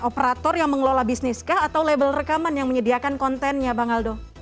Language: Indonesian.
operator yang mengelola bisnis kah atau label rekaman yang menyediakan kontennya bang aldo